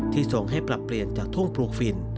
ส่งให้ปรับเปลี่ยนจากทุ่งปลูกฟิน